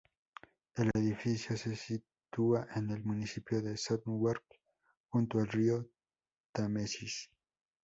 El edificio se sitúa en el municipio de Southwark, junto al Río Támesis.